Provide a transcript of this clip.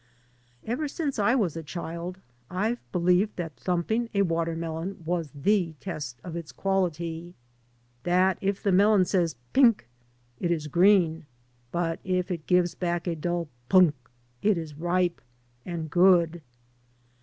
Ever since I was a child I've believed that thumping a watermelon was EE test of its quality. That if the melon says " pink " it is green. But if it gives back a dull "punk" it is ripe, and good.